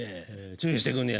注意してくんねや。